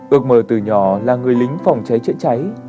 ước mơ từ nhỏ là người lính phòng cháy chữa cháy